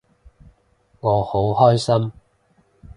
我好開心